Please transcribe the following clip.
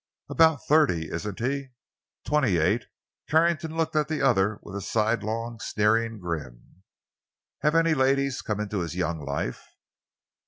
"About thirty, isn't he?" "Twenty eight." Carrington looked at the other with a sidelong, sneering grin: "Have any ladies come into his young life?"